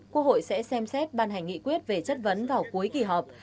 quốc hội sẽ xem xét ban hành nghị quyết về chất vấn vào cuối kỳ họp